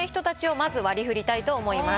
まず割り振りたいと思います。